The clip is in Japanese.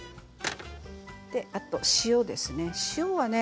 あと塩ですね。